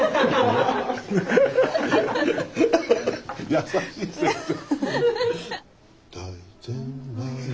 優しい先生。